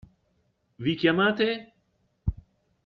Vi chiamate?